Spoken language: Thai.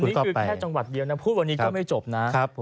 นี่คือแค่จังหวัดเดียวนะพูดวันนี้ก็ไม่จบนะ